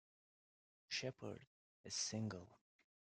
Shepherd is single.